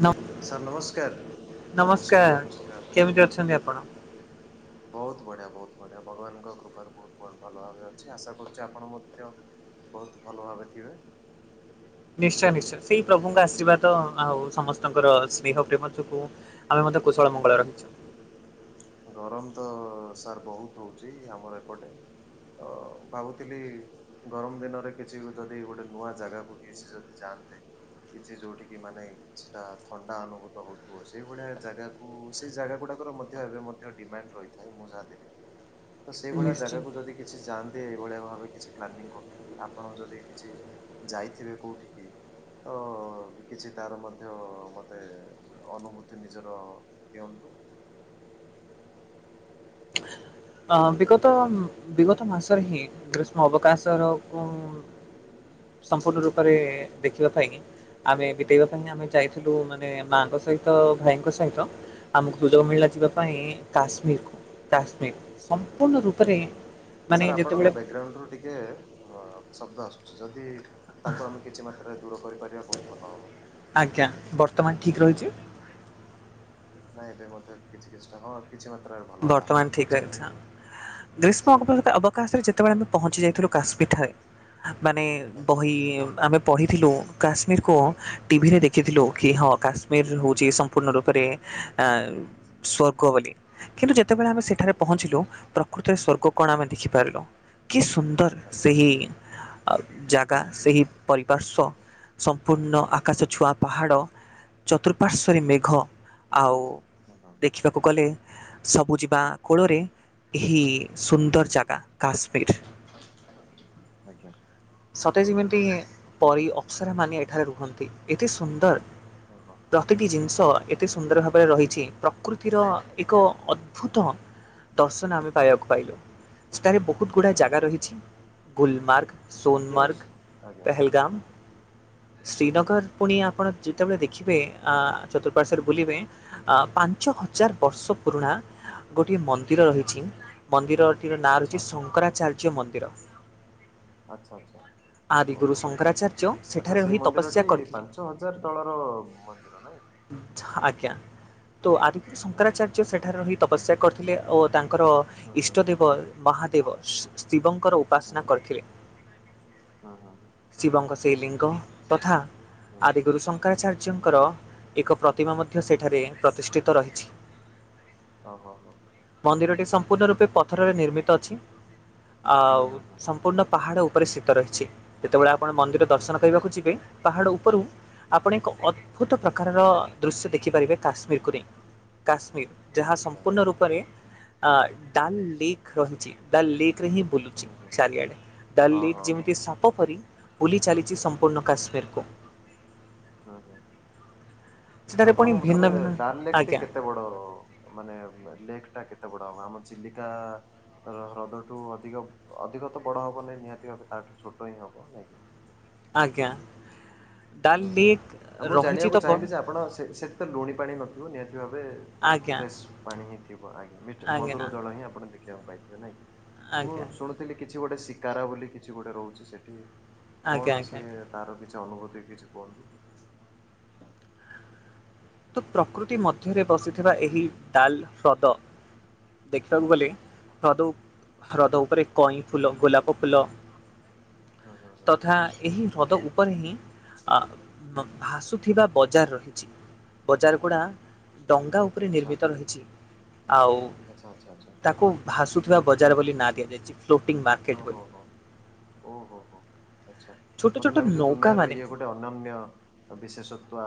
ନ ସାର୍ ନମସ୍କାର ନମସ୍କାର କେମିତି ନମସ୍କାର। ଅଛନ୍ତି ଆପଣ? ବହୁତ ବଢ଼ିଆ ବହୁତ ବଢ଼ିଆ ଭଗବାନଙ୍କ କୃପାରୁ ବହୁତ ଭଲ ଭାବରେ ଅଛି ଆଶା କରୁଛି ଆପଣ ମଧ୍ୟ ବହୁତ୍ ଭଲ ଭାବରେ ଥିବେ? ନିଶ୍ଚୟ ନିଶ୍ଚୟ ସେଇ ପ୍ରଭୁଙ୍କ ଆର୍ଶୀବାଦ ଆଉ ସମସ୍ତଙ୍କର ସ୍ନେହ ପ୍ରେମ ଯୋଗୁ ଆମେ ମଧ୍ୟ କୁଶଳ ମଙ୍ଗଳ ରହିଛୁ। ଗରମ ତ ସାର୍ ବହୁତ ହଉଛି ଆମର ଏପଟେ। ତ ଭାବୁଥିଲି ଗରମ ଦିନରେ କିଛି ଯଦି ଗୋଟେ ନୂଆ ଜାଗାକୁ କି ସେ ଯଦି ଯାଆନ୍ତେ। କିଛି ଯୋଉଠି କିି ମାନେ କିଛିଟା ଥଣ୍ଡା ଅନୁଭୂତ ହଉଥିବ ସେଇଭଳିଆ ଜାଗା ଓ ସେଇ ଜାଗା ଗୁଡାକର ମଧ୍ୟ ଏବେ ଡିମାଣ୍ଡ ରହିଥାଏ। ମୁଁ ଯାହା ଦେଖେ ତ ସେଇ ଭଳିଆ ନିଶ୍ଚୟ। ଜାଗାକୁ ଯଦି କିଛି ଯାଆନ୍ତି ଏଇଭଳିଆ ଭାବେ କିଛି ପ୍ଲାନିଂ କରିଥିଲି। ଆପଣ ଯଦି କିଛି ଯାଇଥିବେ କୋଉଠିି କି? ତ ଅ କିଛି ତାର ମଧ୍ୟ ମୋତେ ମାନେ ଅନୁଭୂତି ନିଜର ଦିଅନ୍ତୁ? ଅ ବିଗତ ବିଗତ ମାସରେ ହିଁ ଗ୍ରୀଷ୍ମ ଅବକାଶର ଉମ ସମ୍ପୂର୍ଣ୍ଣ ରୂପରେ ଦେଖିବା ପାଇଁ। ଆମେ ବିତେଇବା ପାଇଁ ଆମେ ଯାଇଥିଲୁ ମାନେ ମାଙ୍କ ସହିତ ଭାଇଙ୍କ ସହିତ ଆମକୁ ସୁଯୋଗ ମିଳିଲା ଯିବା ପାଇଁ କାଶ୍ମୀରକୁ କାଶ୍ମୀର। ହୁଁ, ହୁଁ, ସମ୍ପୂର୍ଣ୍ଣ ରୂପରେ ହୁଁ ମାନେ ସାର୍ ଆପଣଙ୍କ ଯେତେବେଳେ ବ୍ୟାଗଗ୍ରାଉଣ୍ଡ ରୁ ଟିକେ ଅ ଶବ୍ଦ ଆସୁଛି। ଯଦି ତାକୁ ଆମେ କିଛି ମାତ୍ରାରେ ଦୂର କରିପାରିବା ବହୁତ ଭଲ ହବ। ଆଜ୍ଞା। ବର୍ତ୍ତମାନ ଠିକ୍ ରହିଛି? ନାଇଁ ଏବେ ମଧ୍ୟ କିଛି କିଛିଟା ହଁ କିଛି ମାତ୍ରାରେ ଭଲ ହେଲା ହଁ ବର୍ତ୍ତମାନ ଠିକ ରହିଛି ହଁ। କହିଚାଲନ୍ତୁ। ଗ୍ରୀଷ୍ମ ଅବ - ଅପ ଏକଦମ ଅବକାଶରେ ଯେତେବେଳେ ଆମେ ପହଞ୍ଚି ଯାଇଥିଲୁ କାଶ୍ମୀରଠାରେ ମାନେ ଆଜ୍ଞା। ବହି ଆମେ ପଢିଥିଲୁ କାଶ୍ମୀରକୁ ଟିଭିରେ ଦେଖିଥିଲୁ କି ହଁ କାଶ୍ମୀର ହେଉଛି ସମ୍ପୂର୍ଣ୍ଣ ରୂପରେ ଆଁ ସ୍ଵର୍ଗବୋଲି। କିନ୍ତୁ ଯେତେବେଳେ ଆମେ ହୁଁ ସେଠାରେ ହୁଁ ହୁଁ ପହଞ୍ଚିଲୁ ପ୍ରକୃତିରେ ସ୍ଵର୍ଗ କଣ ଆମେ ଦେଖିପାରିଲୁ। କି ସୁନ୍ଦର। ଆଜ୍ଞା, ଆଜ୍ଞା। ଆଉ ଜାଗା ହୁଁ ହୁଁ ହୁଁ ସେହି ପରିପାର୍ଶ୍ଵ ସମ୍ପୂର୍ଣ୍ଣ ଆଜ୍ଞା ଆକାଶ ଆଜ୍ଞା। ଛୁଆଁ ପାହାଡ଼ ହଁ ଚତୁଃପାର୍ଶ୍ଵରେ ହଁ ମେଘ, ଆଉ ହଁ ହୁଁ ଦେଖିବାକୁ ଗଲେ ସବୁ ଯିବା କୋଳରେ ଏହିି ହୁଁ ସୁନ୍ଦର ହୁଁ ଜାଗା କାଶ୍ମୀର। ଆଜ୍ଞା। ସତେ ଯେମିତି ପରି ଅପ୍ସରା ମାନେ ଏଠାରେ ରୁହନ୍ତି ଏତେ ସୁନ୍ଦର। ହଁ ହଁ ପ୍ରତିଟି ଜିନିଷ ଆଚ୍ଛା ଏତେ ସୁନ୍ଦର ଭାବରେ ରହିଛି। ପ୍ରକୃତିର ଏକ ଅଦ୍ଭୁତ ଦର୍ଶନ ଆମେ ପାଇବାକୁ ପାଇଲୁ। ସେଠାରେ ବହୁତ ହୁଁ ଗୁଡ଼ାଏ ହୁଁ ଜାଗା ହୁଁ ରହିଛି ଗୁଲମାର୍ଗ, କେଉଁ ସୋନମାର୍ଗ, ଆଜ୍ଞା ପେହେଲଗାମ, ହୁଁ ହୁଁ ହୁଁ ହୁଁ ଶ୍ରୀନଗର ପୁଣି ଆପଣ ଯେତେବେଳେ ଦେଖିବେ ଆ ଚତୁଃପାର୍ଶ୍ଵରେ ବୁଲିବେ ଆ ପାଞ୍ଚ ହଜାର ବର୍ଷ ପୁରୁଣା ଗୋଟିଏ ମନ୍ଦିର ରହିଛି। ମନ୍ଦିରଟିର ନାଁ ଆଚ୍ଛା ରହିଛି ଶଙ୍କରାଚାର୍ଯ୍ୟ ଚାର୍ଯ୍ୟ ମନ୍ଦିର। ଆଚ୍ଛା, ଆଚ୍ଛା। ଆଦିଗୁରୁ ଓହୋ, ହୋ। ଶଙ୍କରାଚାର୍ଯ୍ୟ ଆଚ୍ଛା, ସେଠାରେ ସେଇ ରହି ତପସ୍ୟା ମନ୍ଦିରଟି କରିଥିଲେ। ପାଞ୍ଚ ହଜାର ତଳର ମନ୍ଦିର ନାଇଁ। ଆଜ୍ଞା, ତ ଆଜି [unintelligible] ହୁଁ ହୁଁ ହୁଁ ସେଠାରେ ରହି ତପସ୍ୟା କରିଥିଲେ ଓ ତାଙ୍କର ହୁଁ ଇଷ୍ଟ ଦେବ ମହାଦେବ ଶିବଙ୍କର ହୁଁ ଉପାସନା ହୁଁ କରିଥିଲେ। ହୁଁ ହୁଁ ଶିବଙ୍କ ଶ୍ରୀଲିଙ୍ଗ ତଥା ହୁଁ ହୁଁ ହୁଁ ହୁଁ ଆଦି ହୁଁ ଗୁରୁ ଶଙ୍କ ଶଙ୍କରାଚାର୍ଯ୍ୟଙ୍କର ଏକ ପ୍ରତିମା ମଧ୍ୟ ସେଠାରେ ପ୍ରତିଷ୍ଠିତ ରହିଛି। ଓହୋ, ହଁ। ମନ୍ଦିରଟି ସମ୍ପୂର୍ଣ୍ଣ ରୂପେ ପଥରରେ ନିର୍ମିତ ଅଛି। ହୁଁ ହୁଁ ଆଉ ହୁଁ ସମ୍ପୂର୍ଣ୍ଣ ପାହାଡ଼ ଉପ ଉପରିସ୍ଥିତ ରହିଛି। ଯେତେବେଳେ ଆପଣ ମନ୍ଦିର ହୁଁ ହୁଁ ଦର୍ଶନ ହୁଁ କରିବାକୁ ଯିବେ, ପାହାଡ ଉପରୁ ଆପଣ ଏକ ଅଦ୍ଭୁତ ପ୍ରକାରର ଦୃଶ୍ୟ ଦେଖିପାରିବେ କାଶ୍ମୀରକୁ ନେଇ କାଶ୍ମୀର ଯାହା ସମ୍ପୂର୍ଣ୍ଣ ରୂପରେ ଅ ଡାଲ୍ ଲେକ୍ ରହିଛି ଡଲ ଲେକ ରେ ହିଁ ହୁଁ ବୁଲୁଛି। ହୁଁ। ଚାଲିଆଡ଼େ ଡା ହଁ ହଁ ଲିକ ହଁ ଯେମିତି ହଁ ସାପ ପରି ବୁଲି ଚାଲିଛି ହୁଁ ସମ୍ପୂର୍ଣ୍ଣ କାଶ୍ମୀରକୁ। ହୁଁ ହୁଁ ହୁଁ ସେଠାରେ ପୁଣି ଆପଣଙ୍କ ଭିନ୍ନ ମତରେ ଭିନ୍ନ ଡାଲ ଲେକ୍ଟି ଆଜ୍ଞା କେତେ ବଡ? ମାନେ ଲେକ୍ ଟା କେତେ ବଡ ହବ ଆମ ଚିଲିକା ହ୍ରଦଠୁ ଅଧିକ ଅଧିକ ତ ବଡ ହବ ନାଇଁ ନିହାତି ଭାବେ ତାଠୁ ଛୋଟ ହିଁ ହବ ନାଇଁ କିି? ଆଜ୍ଞା। ଡାଲ୍ ଓଁ ହ ଲେକ୍ ଆଉ ମୁଁ ରହିଛି ତ ଜାଣିବାକୁ ଚାହିଁବି ଯେ ଆପଣ ସେଠି ତ ଲୁଣି ପାଣି ନଥିବ ନିହାତି ଭାବେ ଆଜ୍ଞା ଫ୍ରେଶ୍ ପାଣି ହିଁ ଥିବ ଆଜ୍ଞା ମିଠ ଆଜ୍ଞା ମଧୁର ଜଳ ହିଁ ଆପଣ ଦେଖି ପାଇଥିବେ ନାଇଁ ମୁଁ ଆଜ୍ଞା। ଶୁଣୁଥିଲି କିଛି ଗୋଟେ ଶିକାର ବୋଲି କିଛି ଗୋଟେ ରହୁଛି ସେଠି। ଆଜ୍ଞା କଣ ଆଜ୍ଞା ସିଏ ଆଜ୍ଞା। ତାର କିଛି ଅନୁଭୂତି କିଛି କୁହନ୍ତୁ। ତ ପ୍ରକୃତି ମଧ୍ୟରେ ବସିଥିବା ଏହି ଡାଲ ହ୍ରଦ ହୁଁ ଦେଖିବାକୁ ହୁଁ ଗଲେ ହ୍ରଦ ହ୍ରଦ ଉପରେ କଇଁ ଫୁଲ ଗୋଲାପ ଫୁଲ ହୁଁ ହୁଁ ହୁଁ ତଥା ଏହି ହ୍ରଦ ଉପରେ ହିଁ ଅ ଭାସୁଥିବା ବଜାର ରହିଛି। ବଜାର ଗୁଡ଼ା ଡଙ୍ଗା ଉପରେ ନିର୍ମିତ ରହିଛି ଆଉ ଆଛା ଆଛା ଆଛା। ତାକୁ ଭାସୁଥିବା ବଜାର ବୋଲି ନାଁ ଦିଆଯାଇଛି। ଫ୍ଲୋଟିଂ ବାର୍ ଓହୋ ହୋ ଓ ହୋ ହୋ ଆଚ୍ଛା ଛୋଟ ମତେ ଛୋଟ ଲାଗୁଛି ନୌକା ଦୁନିଆର ମାନେ ଇଏ ଗୋ ତ ଅନନ୍ୟ ବିଶେଷତ୍ୱା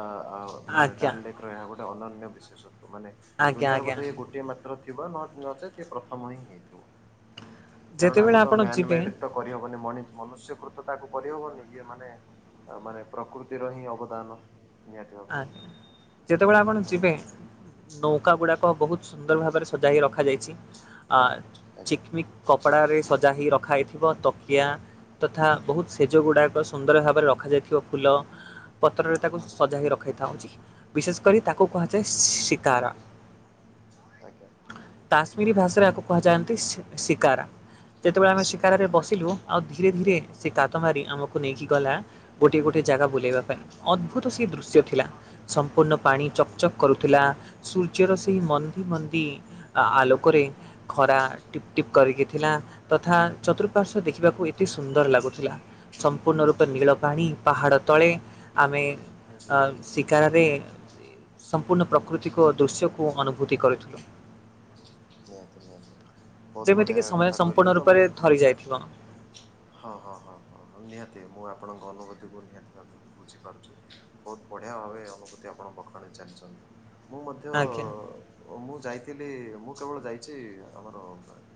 ମାନେ ଆଜ୍ଞା ଡାଲ ଲେକ୍ ଏହା ଗୋଟେ ଅନନ୍ୟ ବିଶେଷତ୍ୱ ମାନେ ଆଜ୍ଞା ଦୁନିଆର ଆଜ୍ଞା ମଧ୍ୟଧେଇ ଗୋଟିଏ ମାତ୍ର ଥିବ ନଚେତ୍ ସେ ପ୍ରଥମ ହିଁ ହେଇଥିବ। କାରଣ ଯେତେବେଳେ ଆକୁ ତ ଆପଣ ମ ମେ ଯିବେ ତ କରିହବନି ମନୁଷ୍ୟକୃତକୁ କରିହବନି ଇଏ ମାନେ ତା ମାନେ ପ୍ରକୃତିର ହିଁ ଅବଦାନ। ନିହାତି ଭାବେ ଆଜ୍ଞା ଯେତେବେଳେ ଆପଣ ହୁଁ ଯିବେ। ହୁଁ ହୁଁ ନୌକା ଗୁଡାକ ବହୁତ ସୁନ୍ଦର ଭାବରେ ସଜା ହେ ରଖାଯାଇଛି ଆ ଆଜ୍ଞା ଚିକମିକ କପଡ଼ାରେ ସଜା ହୋଇ ରଖାାଯାଇଥିବ ତକିଆ ତଥା ବହୁତ ସେଜ ହୁଁ ହୁଁ ଗୁଡ଼ାକ ସୁନ୍ଦର ଭାବରେ ରଖାଯାଇଥିବା ଫୁଲ ପତ୍ରରେ ତାକୁ ହୁଁ ହୁଁ ସଜା ହେ ରଖାଇଥାଉଛି। ବିଶେଷ କରି ତାକୁ ହୁଁ ହୁଁ ହୁଁ କୁହାଯାଏ ଶିକାର ଆଜ୍ଞା ହଁ ହୁଁ। କାଶ୍ମୀରୀ ଭାଷାରେ ଏହାକୁ କୁହାଯାଆନ୍ତି ଶିକାରା। ଯେତେବେଳେ ଆମେ ଶିକାର ଶିକାରରେ ଆଜ୍ଞା ବସିଲୁ ଆଉ ଧୀରେ ଧୀରେ ସେ ହୁଁ ହୁଁ କାତ ମାରି ଆମକୁ ନେଇକି ଗଲା। ଗୋଟଏ ଗୋଟଏ ଜାଗା ହୁଁ ବୁଲେଇବା ପାଇଁ ଅଦ୍ଭୁତ ସେ ଦୃଶ୍ୟ ହୁଁ ହୁଁ ଥିଲା ସମ୍ପୂର୍ଣ୍ଣ ପାଣି ହୁଁ ହୁଁ ହୁଁ ଚକଚକ୍ କରୁ ଥିଲା ସୂର୍ଯ୍ୟର ସେହି ହୁଁ ହୁଁ ମନ୍ଦି ହୁଁ ମନ୍ଦି ଆଲୋକରେ ଖରା। ଟିପ୍ ଟିପ୍ କରିକି ଥିଲା ତଥା ଚତୁଃପାର୍ଶଵ ଦେଖିବାକୁ ଏ ଅତି ସୁନ୍ଦର ଲାଗୁଥିଲା ସମ୍ପୂର୍ଣ୍ଣ ହୁଁ ରୂପେ ହୁଁ ହୁଁ ନୀଳ ପାଣି ପାହାଡ ତଳେ ଆମେ ହୁଁ ହୁଁ ଅ ଶିକାରରେ ସମ୍ପୂର୍ଣ୍ଣ ପ୍ରକୃତିକ ଦୃଶ୍ୟକୁ ଅନୁଭୂତି କରୁଥିଲୁ। ନିହାତି ନିହାତି ବହୁତ ଯେମିତିକି ବଢିଆ ସମୟ କଥା କହିଲେ ସମ୍ପୂର୍ଣ୍ଣ ତ ମୁଁ ରୂପରେ ଯାଇଥିବ। ହଁ ହଁ ହଁ ହଁଁ ନିହାତି ମୁଁ ଆପଣଙ୍କ ଅନୁଭୂତି କୁ ନିହାତି ଭାବ ବୁଝିପାରୁଛୁ ବହୁତ ବଢ଼ିଆ ଭାବେ ଅନୁଭୂତି ଆପଣ ପଖରାଣି ଚାଲିଛନ୍ତି। ମୁଁ, ମଧ୍ୟ। ଆଜ୍ଞା ଓ ମୁଁ ଯାଇଥିଲି ମୁଁ କେବଳ ଯାଇଛି ଆମର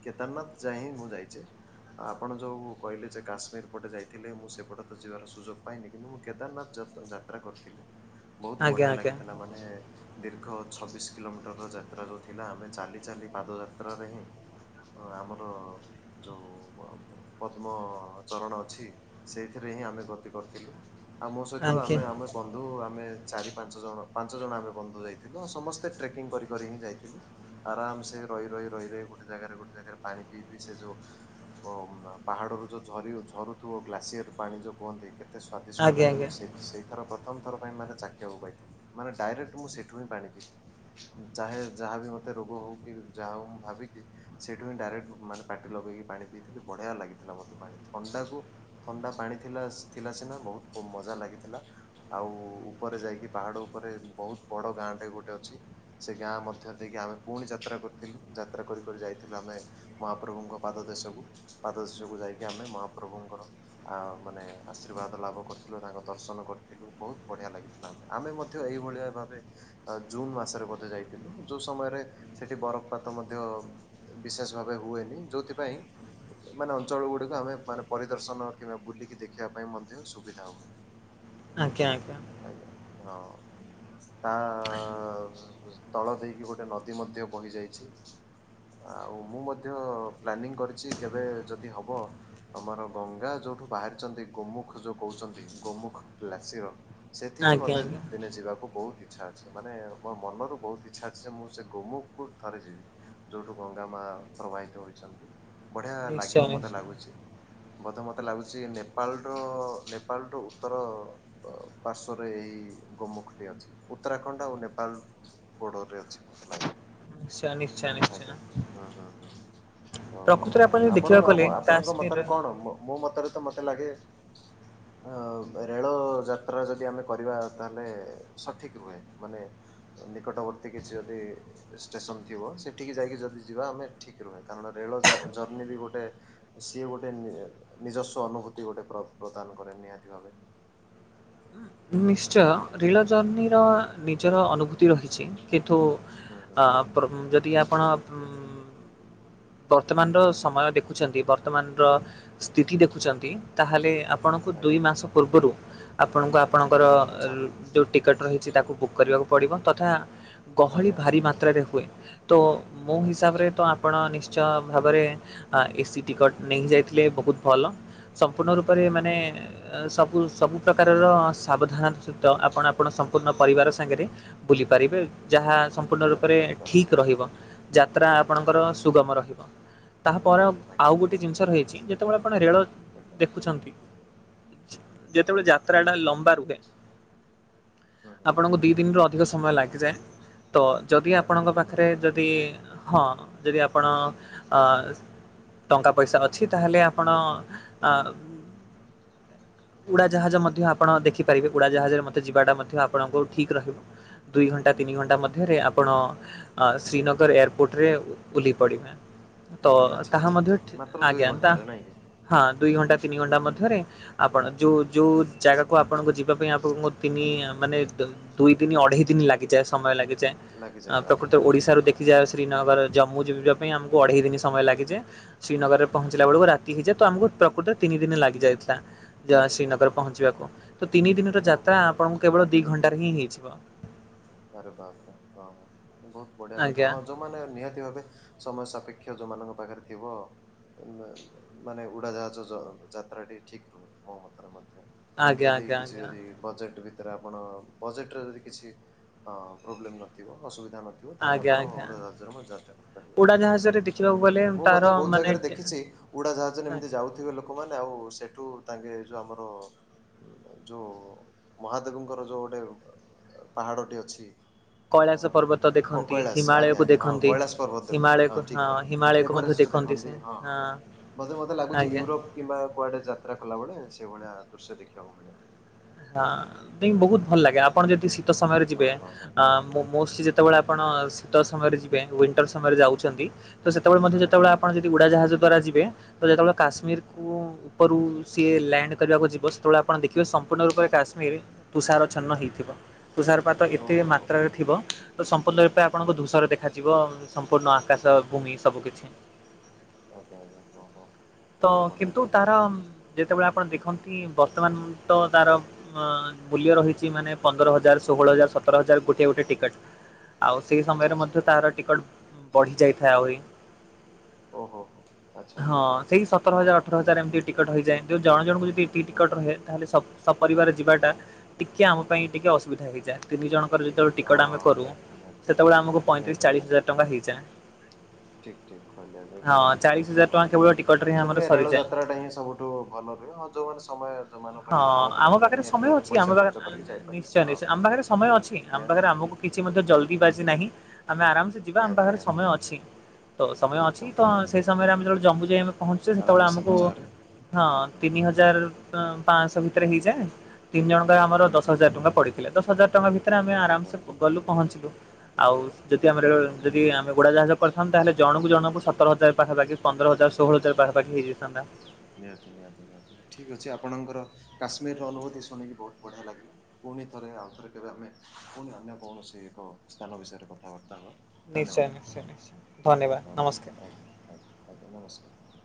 କେଦାରନାଥ ଯାଏ ମୁଁ ଯାଇଛି। ଆପଣ ଯୋଉ କହିଲେ ସେ କାଶ୍ମୀର ପଟେ ଯାଇଥିଲେ, ମୁଁ ସେପଟେ ତ ଯିବାର ସୁଯୋଗ ପାଇନି କିନ୍ତୁ, ମୁଁ କେଦାରନାଥ ଯାତ୍ ଯାତ୍ରା କରିଥିଲି। ବହୁତ ଆଜ୍ଞା ବଢିଆ ଆଜ୍ଞା ଲାଗିଥିଲା ମାନେ ଦୀର୍ଘ ଛବିଶ କିଲୋମିଟରର ଯାତ୍ରା ଯେଉଁ ଥିଲା ଆମେ ଚାଲି ଚାଲି ପାଦଯାତ୍ରାରେ ହିଁ, ହଁ ଆମର ଯୋଉ ପଦ୍ମ ଚରଣ ଅଛି ସେଇଥିରେ ହିଁ ଆମେ ଗତି କରିଥିଲୁ, ଆମ ସହିତ ଆଜ୍ଞା ଆମେ ଆମ ବନ୍ଧୁ ଆମେ ଚାରି ପାଞ୍ଚ ଜଣ, ପାଞ୍ଚ ଜଣ ଆମେ ବନ୍ଧୁ ଯାଇଥିଲୁ ଆଉ ସମସ୍ତେ ଟ୍ରେକିଂ କରିି କରି ହିଁ ଯାଇଥିଲୁ। ଆରାମ ସେ ରହି, ରହି, ରହି, ରହି ଗୋଟେ ଜାଗାରେ ଗୋଟେ ଜାଗାରେ ପାଣି ପିଇ, ପିଇ ସେ ଯୋଉ ପାହାଡ଼ରୁ ଯୋଉ ଝରି ଝରୁଥିବ ଗ୍ଲାସିୟର ପାଣି ଯେଉଁ ପୁଅନ୍ତି କେତେ ସ୍ଵାଦିଷ୍ଟ ଆଜ୍ଞା ଲାଗେ ଆଜ୍ଞା ମୁଁ ସେଇ ସେଇଥର ପ୍ରଥମଥର ପାଇଁ ମାନେ ଚାଖିଆକୁ ପାଇଥିଲି ମାନେ ଡାଇରେକ୍ଟ ମୁଁ ସେଇଠୁ ହିଁ ପାଣି ପିଇଥିଲି। ଯାହେ ଯାହାବି ମତେ ରୋଗ ହଉ କି ଯାହା ହଉ ମୁଁ ଭାବିକି ସେଇଠୁ ହିଁ ଡାଇରେକ୍ଟ ମାନେ ପାଟି ଲଗେଇକି ପାଣି ପିଇଥିଲି ବଢିଆ ଲାଗି ଥିଲା ମତେ ପାଣି ଥଣ୍ଡାକୁ ଥଣ୍ଡା ପାଣିଥିଲା ଥିଲା ସିନା ବହୁତ ମଜା ଲାଗିଥିଲା। ଆଉ ଉପରେ ଯାଇକି ପାହାଡ଼ ଉପରେ ବହୁତ ବଡ଼ ଗାଁଟେ ଗୋଟେ ଅଛି। ସେ ଗାଁ ମଧ୍ୟ ଦେଇକି ଆମେ ପୁଣି ଯାତ୍ରା କରିଥିଲୁ, ଯାତ୍ରା କରି କରି ଯାଇଥିଲୁ ଆମେ ମହାପ୍ରଭୁଙ୍କ ପାଦ ଦେଶକୁ, ପାଦ ଦେଶକୁ ଯାଇକି ଆମେ ମହାପ୍ରଭୁଙ୍କର ଆ ମାନେ ଆସରିବାଦ ଲାଭ କରିଥିଲୁ, ତାଙ୍କ ଦର୍ଶନ କରିଥିଲୁ, ବହୁତ ବଢ଼ିଆ ଲାଗିଲା। ଆମେ ଆମେ ମଧ୍ୟ ଏଇଭଳିଆ ଭାବେ ଆ ଜୁନ୍ ମାସରେ ମଧ୍ୟ ଯାଇଥିଲୁ, ଯୋଉ ସମୟରେ ସେଠି ବରଫପାତ ମଧ୍ୟ ବିଶେଷ ଭାବେ ହୁଏନି ଯୋଉଥିପାଇଁ, ମାନେ ଅଞ୍ଚଳ ଗୁଡିକ ଆମେ ମାନେ ପରିଦର୍ଶନ କିମ୍ବା ବୁଲିକି ଦେଖିବା ପାଇଁ ମଧ୍ୟ ସୁବିଧା ହୁଏ। ଆଜ୍ଞା! ଆଜ୍ଞା! ଆଜ୍ଞା! ହଁ, ତା ତଳ ଦେଇକି ଗୋଟେ ନଦୀ ମଧ୍ୟ ବହି ଯାଇଛି, ଆଉ ମୁଁ ମଧ୍ୟ ପ୍ଲାନିଂ କରିଛି କେବେ ଯଦି ହବ, ଆମର ଗଙ୍ଗା ଯୋଉଠୁ ବାହାରିଛନ୍ତି, ଗୋମୁଖ ଯୋଉ କହୁଛନ୍ତି ଗୋମୁଖ କ୍ଲାଶିର ସେଥିକି ଆଜ୍ଞା ମତେ ଆଜ୍ଞା ଦିନେ ଯିବାକୁ ବହୁତ ଇଛା ଅଛି ମାନେ ମୋ ମନରୁ ବହୁତ ଇଛା ଅଛି ମୁଁ, ସେ ଗୋମୁକୁ ଥରେ ଯିବି। ଯୋଉଠୁ ଗଙ୍ଗା ମା ପ୍ରବାହିତ ହୋଇଛନ୍ତି। ବଢିଆ ଲାଗେ ନିଶ୍ଚୟ ନିଶ୍ଚୟ। ଗୁଛି ମତେ ମତେ ଲାଗୁଛି ନେପାଳ ଠୁ ନେପାଳ ଠୁ ଉତ୍ତର ପାର୍ଶ୍ଵରେ ଏଇ ଗୋମୁଖଟି ଅଛି, ଉତ୍ତରାଖଣ୍ଡ ଆଉ ନେପାଳ ବୋର୍ଡରରେ ଅଛି ମୋତେ ଲାଗେ। ନିଶ୍ଚୟ ନିଶ୍ଚୟ ଆଜ୍ଞା! ନିଶ୍ଚୟ ହଁ, ହଁ, ପ୍ରକୃତରେ ହଁ, ଯଦି ଆପଣ ଦେଖିବାକୁ ଗଲେ ଆପଣଙ୍କ ମତରେ କଣ? କାଶ୍ମୀରରେ ମୋ ମତରେ ତ ମତେ ଲାଗେ ହଁ ରେଳ ଯାତ୍ରା ଯଦି ଆମେ କରିବା ତାହେଲେ, ସଠିକ ରୁହେ ମାନେ ନିକଟବର୍ତ୍ତୀ କିଛି ଯଦି ଷ୍ଟେ ଷ୍ଟେସନ ଥିବ ସେଠିକି ଯାଇକି ଯଦି ଯିବା ଆମେ ଠିକ୍ ରୁହେ, କାରଣ ରେଳ ଯା ଜର୍ଣ୍ଣିି ବି ଗୋଟେ ସିଏ ଗୋଟେ ନି ନିଜସ୍ଵ ଅନୁଭୂତି ଗୋଟେ ପ୍ରଦାନ କରେ ନିହାତି ଭାବେ। ନିଶ୍ଚୟ, ରେଳ ଜର୍ନିର ନିଜର ଅନୁଭୂ ତିର କିଛି କିନ୍ତୁ, ହୁଁ ହୁଁ ଯଦି ଆପଣ ଉଁ ବର୍ତ୍ତମାନର ସମୟ ଦେଖୁଛନ୍ତି, ବର୍ତ୍ତମାନର ସ୍ଥିତି ଦେଖଚନ୍ତି, ତାହେଲେ ଆପଣଙ୍କୁ ଦୁଇ ଆଜ୍ଞା ମାସ ପୂର୍ବରୁ, ଆପଣଙ୍କୁ ଆପଣଙ୍କର ଆଚ୍ଛା ଋତୁ ଟିକେଟ୍ ରହିଚି ତାକୁ ବୁକ୍ କରିବାକୁ ପଡ଼ିବ, ତଥା ଗହଳି ଆଜ୍ଞା ଭାରି ମାତ୍ରାରେ ହୁଏ। ତୋ ମୋ ଆଚ୍ଛା ହିସାବରେ ଆଚ୍ଛା ତ ଆପ୍ ଆପଣ ନିଶ୍ଚୟ ଭାବରେ ଆଁ ଏସି ଟିକଟ୍ ନେଇକି ଯାଇଥିଲେ ବହୁତ୍ ଭଲ। ସମ୍ପୂର୍ଣ ରୁପ୍ ପରେ ହୁଁ ମାନେ ହୁଁ ସବୁ ସବୁ ପ୍ରକାରର ଅଂସ୍ ସାବଧାନ ସହିତ ଆପଣ ଆପଣ ସମ୍ପୂର୍ଣ୍ଣ ପରିବାର ସାଙ୍ଗେରେ ବୁଲିପାରିବେ। ହୁଁ ଯାହା ହୁଁ ସମ୍ପୂର୍ଣ୍ଣ ଯାତ୍ରା ରୂପରେ କରିପାରିବା ଠିକ୍ ରହିବ, ଯାତ୍ରା ଆପଣଙ୍କର ଆଜ୍ଞା ଆଜ୍ଞା ସୁଗମ ରହିବ। ତାହାପର ଆଜ୍ଞା ଆଉ ଗୋଟେ ଜିନିଷ ରହିଚି, ଯେତେବେଳେ ଆପଣ ରେଳ ଆଜ୍ଞା। ଦେଖୁଛନ୍ତି, ଯେତେବେଳେ ଯାତ୍ରା ଟା ଲମ୍ବା ରୁହେ। ହୁଁ ହୁଁ ଆପଣଙ୍କୁ ଦି ଦିନିରୁ ଅଧିକ ସମୟ ଲାଗିଯାଏ, ତ ଯଦି ନିହାତି ଆପଣଙ୍କ ପା ପାଖରେ ଯଦି ହଁ। ଯଦି ଆପଣ ଅ ଟଙ୍କା ପଇସା ଅଛି ତାହେଲେ ଆପଣ ଆ ଉଡା ଜାହାଜ ମଧ୍ୟ ଆପଣ ଦେଖିପ୍ ପାରିବେ। ଉଡ଼ାଜାହାଜ ରେ ମତେ ଯିବାଟା ମଧ୍ୟ ଆପଣଙ୍କୁ ଠିକ୍ ରହିବ। ଦୁଇ ଘଣ୍ଟା ତିନି ହୁଁ ଘଣ୍ଟା ହୁଁ ମଧ୍ୟରେ ଆପ୍ ଆପଣ ଶ୍ରୀନଗର୍ ଏୟାରପୋର୍ଟରେ ଓହ୍ଲି ପଡ଼ିବେ। ତ ଆଚ୍ଛା ତାହା ଆଚ୍ଛା ମଧ୍ୟ ଆଚ୍ଛା ମାତ୍ର ଦୁଇ ଆଜ୍ଞା, ତା ଘଣ୍ଟାରେ ନାଇଁ କି? ହଁ। ଦୁଇ ଘଣ୍ଟା ତିନି ହୁଁ ଘଣ୍ଟା ହୁଁ ମଧ୍ୟରେ ହୁଁ ହୁଁ ଆପଣ ଯୋଉ ଯୋଉ ଜାଗାକୁ ଆପ୍ ଆପଣଙ୍କୁ ଯିବା ପାଇଁ ଆପଣଙ୍କୁ ମ ତିନି ମାନେ ଦୁଇ ଦିନି ଅଢେଇ ଦିନି ଲାଗିଯାଏ, ସମୟ ଲାଗିଯାଏ। ଆ ଲାଗିଯାଏ ଆଜ୍ଞା ପ୍ରକୃତ ଆଜ୍ଞା ଓଡିଶାରୁ ଠିକ୍ ଦେଖି କଲେ ଯାଆ ଆସି। ଶ୍ରୀନଗର ରେ ଜମ୍ମୁ ଯିବା ପାଇଁ ଆମକୁ ହଁ ଅଢ଼େଇ ହଁ ଦିନି ହଁ ସମୟ ଲାଗିଯାଏ। ଶ୍ରୀନଗରରେ ପହଞ୍ଚିଲା ଆଜ୍ଞା ବେଳକୁ ଆଜ୍ଞା ରାତି ହେଇଯାଏ, ତ ଆମକୁ ପ୍ରକୃତ ରେ ତିନି ଦିନି ଲାଗି ଯାଇଥିଲା ଯଆ ହଁ ଶ୍ରୀନଗର ରେ ହଁ ହଁ ପହଞ୍ଚିବାକୁ। ତ ତିନି ଦିନର ଯାତ୍ରା ଓହୋ ହୋ ଆପଣଙ୍କୁ କେବଳ ଦି ଘଣ୍ଟାରେ ହିଁ ହେଇଯିବ। ଆରେ ବାପରେ ହଁ ହଁ ବହୁତ୍ ବଢିଆ କଥା। ଆଜ୍ଞା ହଁ ଯୋଉ ମାନେ ନିହାତି ଭାବେ ସମୟ ସାପେକ୍ଷ୍ୟା ଯୋଉମାନଙ୍କ ପାଖେରେ ଥିବ। ମାନେ ଉଡ଼ାଜାହାଜ ଜ ଯାତ୍ରା ଟି ଠିକ୍ ନୁହଁ, ମୋ ମତରେ ମଧ୍ୟ। ଆଜ୍ଞା ଯଦି ଆଜ୍ଞା କିଛି ଆଜ୍ଞା ଯଦି ବଜେକ୍ଟ ଭିତରେ ଆପଣ ବଜେଟ୍ ରେ ଯଦି କିଛି ହଁ, ପ୍ରୋବ୍ଲେମ୍ ନଥିବ ଅସୁବିଧା ନଥ୍ ରୁହ ତାହେଲେ ଆଜ୍ଞା ଆଜ୍ଞା। ଆପଣରେ [inaudible] ଉଡାଜାହାଜରେ ହୁଁ, ଦେଖିବାକୁ ଗଲେ ମୁଁ ତାର ମଧ୍ୟ ବହୁତ୍ ମାନେ ଜାଗାରେ ଦେଖିଚି। ଉଡ଼ାଜାହାଜରେ ଆଜ୍ଞା ଏମିତି ଯାଉଥିବେ ଲୋକମାନେ, ଆଉ ସେଠୁ ତାଙ୍କେ ଯୋଉ ଆମର ଯୋଉ ମହାଦେବଙ୍କର ଯୋଉ ଗୋଟେ ପାହାଡ଼ଟେ ଅଛି। କୈଳାସ ହଁ, ପର୍ବତ ଦେଖନ୍ତି କକିଳାସ୍ ଆଜ୍ଞା ହିମାଳୟକୁ ଆଜ୍ଞା, ହଁ ଦେଖନ୍ତି। କୈଳାସ ପର୍ବତ ଦେଖନ୍ତି ହିମାଳୟକୁ ହଁ ଠିକ୍ କଲେ। ହିମାଳୟକୁ ମଧ୍ୟ ଏଭରେଷ୍ଟ ସେ ଦେଖନ୍ତି ହଁ ହଁ। ବୋଧେ ମୋତେ ଲାଗୁଚି ଆଜ୍ଞା ୟୁରୋପ୍ କିମ୍ବା ଆଉ କୁଆଡେ ଯାତ୍ରା କଲାବେଳେ ସେଇଭଳିଆ ଦୃଶ୍ୟ ଦେଖିବାକୁ ମିଳେ। ଆଁ ବହୁତ୍ ଭଲ ଲାଗେ, ଆପଣ ଆଜ୍ଞା ଯଦି ଶୀତ ସମୟରେ ଯିବେ। ହଁ ହଁ ହଁ ଆମ୍ ମୋ ମୋକ୍ସି ଯେତେବେଳେ ଆପଣ ଶୀତ ସମୟରେ ଯିବେ ଉଇଣ୍ଟର୍ ସମୟରେ ଯାଉଚନ୍ତି। ତ ସେତେବେଳେ ମଧ୍ୟ ଆଜ୍ଞା ଯେତେବେଳେ ଆଜ୍ଞା ଆପଣ ଯଦି ଉଡ଼ାଜାହାଜ ଦ୍ୱାରା ଯିବେ ତ ଯେତେବେଳେ କାଶ୍ମୀରକୁୁ ଉପରୁ ସିଏ ଲ୍ୟାଣ୍ଡ୍ କରିବାକୁ ଯିବ, ସେତେବେଳେ ଆପଣ ଦେଖିବେ ସପ୍ ସପୂର୍ଣ୍ଣ ରୂପେ କାଶ୍ମୀର୍ ତୁଷାରଛେନ୍ନ ହେଇଥିବ, ତୁଷାର୍ ପାତ ଏତେ ଓହୋ ହୋ ମାତ୍ରାରେ ଥିବ। ତ ସମ୍ପୂର୍ଣ୍ଣ ରୂପେ ହୁଁ ଆପଣଙ୍କୁ ହୁଁ ଧୂସର ଦେଖାଯିବ, ସମ୍ପୂର୍ଣ୍ଣ ଆକାଶ ଭୂମି ସବୁ କିଛି। ଆଜ୍ଞା ଆଜ୍ଞା। ହଁ ହଁ। ତ ବହୁତ ବଢିଆ କିନ୍ତୁ କଥା ତାର ଯେତେବେଳେ ଆପଣ ଦେଖନ୍ତି ବର୍ତ୍ତମାନ୍ ତ ତାର ଅଁ ମୂଲ୍ୟ ରହିଚି ମାନେ ପନ୍ଦର ହଜାର ଷୋହଳ ହଜାର ସତର ହଜାର ଗୋଟଏ ଗୋଟଏ ଟିକେଟ୍। ଆଉ ସେଇ ଆଚ୍ଛା ସମୟରେ ଆଚ୍ଛା ମଧ୍ୟ ତାର ଟିକଟ୍ ବଢି ଯାଇଥାଏ ଆହୁରି। ଓହୋ, ଆଚ୍ଛା। ଏଇ ହଁ ସତର ହଜାର ହଁ ଅଠର ହଁ ହଜାର ଏମିତି ଟିକଟ୍ ହେଇଯାଏ ଯୋଉ ଜଣ ଜଣଙ୍କୁ ଯଦି ଏତକି ହୁଁ ଟିକଟ୍ ହୁଁ ରହେ। ହୁଁ ତାହେଲେ ସ ସପରିବାର ଯିବାଟା ଟିକେ ଆମ ପାଇଁ ଟିକେ ଅସୁବିଧା ହେଇଯାଏ। ତିନି ଜଣଙ୍କର ଯେତେବେଳେ ଟିକଟ ଆମେ ହଁ କରୁ ନିହାତି ନିହାତି ସେତେବେଳେ ଆମକୁ ପଇଁତିରିଶ ନିହାତି ଚାଳିଶ ହଜାର ଟଙ୍କା ହେଇଯାଏ। ଠିକ ଠିକ କହିଲେ ହଁ ଏକଦମ ଠିକ ଚାଳିଶ କହିଲେ। ହଜାର ହଁ। ଟଙ୍କା କେବଳ ଟିକଟରେ ହିଁ ଆମର ସେଥିପାଇଁ ରେଳ ସରିଯାଏ ଯାତ୍ରାଟା ହିଁ ସବୁଠୁ ଭଲ ରୁହେ। ହଁ ଯୋଉମାନେ ସମୟ ଯୋଉମାନଙ୍କ ପାଖରେ କମ୍ ରହିଥାଏ। ନିହାତି ଭାବେ ପଇସା ଖର୍ଚ ଆଁ ନିଶ୍ଚୟ ନିଶ୍ଚୟ ଆମ ପାଖରେ ସମୟ ଅଛି। ଆମ ନିହାତି ପାଖରେ ନିହାତି ଆମକୁ କିଛି ମଧ୍ୟ ଜଲଦି ନିହାତି ବାଜି ନାହିଁ। ଆମେ ଆରାମ ସେ ଯିବା। ଆମ ନିହାତି ନିହାତି ପାଖରେ ନିହାତି ସମୟ ଅଛି। ତ ସମୟ ଅଛି ଏକଦମ ତ ସେଇ ସମୟରେ ଆମେ ଯେବେଳେ ଜମୁକୁ ଯାଇ ପହଞ୍ଚୁଛେ ଆରାମ ସେତେବେଳେ ସେ ଆମକୁ ମଜାରେ ହଁ, ହୁଁ ହୁଁ ତିନି ହୁଁ। ହାଜର ହଜାର ପାଆଁଶହ ଭିତରେ ହେଇଯାଏ। ତିନି ଜଣଙ୍କ ଆମର ହୁଁ ଦଶ ହୁଁ ହଜାର ହୁଁ ଟଙ୍କା ପଡିଥିଲା ଦଶ ହଜାର ଟଙ୍କା ଭିତରେ ରେ ଆମେ ବଢ଼ିଆ ଆରାମ ସେ ବଢ଼ିଆ ଗଲୁ ପହଞ୍ଚିଲୁ। ଆଉ ଯଦି ଆମେ ରେଳ ବଢ଼ିଆ ରେ ବଢ଼ିଆ ଯଦି ଆମେ ଉଡ଼ାଜାହାଜ କରିଥାନ୍ତୁ, ତା ହେଲେ ଜଣଙ୍କୁ ଜଣଙ୍କୁ ସତର ହାଜର ପାଖାପାଖି ପନ୍ଦର ହଜାର ଷୋଳ ଆଜ୍ଞା ହଜାର ଆଜ୍ଞା ପାଖାପଖି ଆଜ୍ଞା। ହେଇଯାଇଥାନ୍ତା ନିହାତି ନିହାତି। ଠିକ୍ ଅଛି ଆପଣଙ୍କର କାଶ୍ମୀରର ଅନୁଭୂତି ଶୁଣିକି ବହୁତ ବଢ଼ିଆ ଲାଗିଲା। ପୁଣି ଥରେ ଆଉ ଥରେ କେବେ ଆମେ ପୁଣି ଅନ୍ୟ କୌଣସି ଏକ ସ୍ଥାନ ବିଷୟରେ କଥାବାର୍ତ୍ତା ହବା। ନିଶ୍ଚୟ, ନିଶ୍ଚୟ, ନିଶ୍ଚୟ! ଧନ୍ୟବାଦ ହଁ, ଆଜ୍ଞା, ନମସ୍କାର। ଆଜ୍ଞା, ଆଜ୍ଞା ନମସ୍କାର!